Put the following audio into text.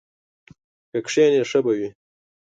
که کښېنې ښه به وي!